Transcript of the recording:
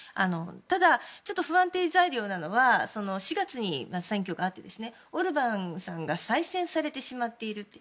ただ、不安定材料なのは４月に選挙があってオルバーンさんが再選されていると。